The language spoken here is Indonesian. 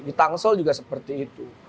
di tangsel juga seperti itu